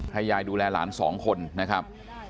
ให้ยายดูแลหลานสองคนนะครับ